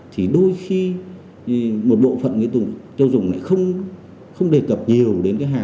thì đôi khi một bộ phận người tiêu dùng này không đề cập nhiều đến cái hàng